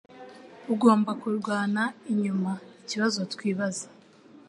Ugomba kurwana inyuma ikibazo twibaza